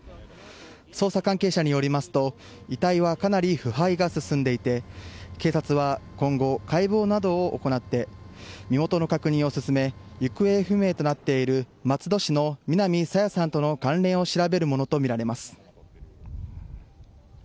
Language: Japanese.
捜査関係者によりますと遺体はかなり腐敗が進んでいて警察は今後、解剖などを行って身元の確認を進め行方不明となっている松戸市の南朝芽さんとの関連を調べるものとみられます。